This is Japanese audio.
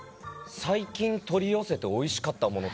最近取り寄せておいしかったものとか。